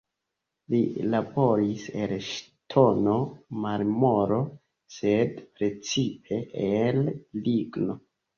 Li laboris el ŝtono, marmoro, sed precipe el ligno.